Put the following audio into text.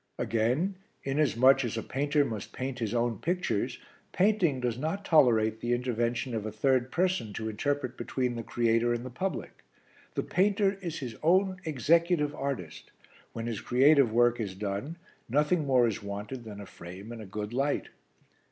Again, inasmuch as a painter must paint his own pictures, painting does not tolerate the intervention of a third person to interpret between the creator and the public. The painter is his own executive artist; when his creative work is done, nothing more is wanted than a frame and a good light.